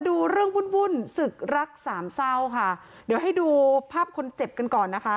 ดูเรื่องวุ่นวุ่นศึกรักสามเศร้าค่ะเดี๋ยวให้ดูภาพคนเจ็บกันก่อนนะคะ